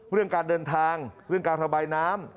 เรื่องการเดินทางเรื่องการระบายน้ำ